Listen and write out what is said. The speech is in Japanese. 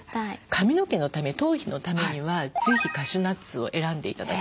髪の毛のため頭皮のためにはぜひカシューナッツを選んで頂きたい。